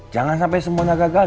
jangan sampai semuanya gagal